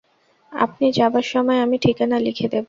আপনি যাবার সময় আমি ঠিকানা লিখে দেব।